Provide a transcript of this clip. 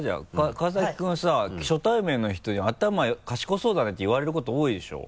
川崎君はさ初対面の人に賢そうだねって言われること多いでしょ？